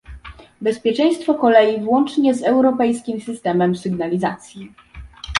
Bezpieczeństwo kolei włącznie z europejskim systemem sygnalizacji